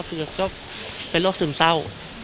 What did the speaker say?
เป็นโรคซึมเศร้า